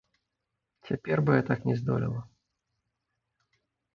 Цяпер бы я так не здолела.